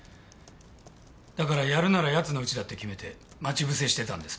だからやるなら奴の家だって決めて待ち伏せしてたんです。